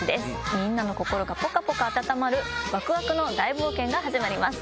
みんなの心がポカポカ温まるワクワクの大冒険が始まります